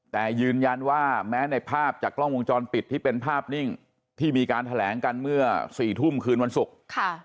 แต่ยืนยันว่าแม้ในภาพจากกล้องวงจรปิดที่เป็นภาพนิ่งที่มีการแถลงกันเมื่อสี่ทุ่มคืนวันศุกร์ค่ะ